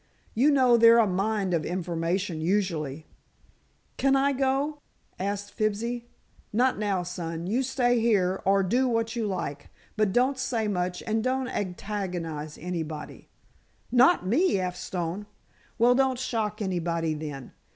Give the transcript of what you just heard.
You know they're a mine of information usually." "Kin I go?" asked Fibsy. "Not now, son. You stay here, or do what you like. But don't say much and don't antagonize anybody." "Not me, F. Stone!" "Well, don't shock anybody, then.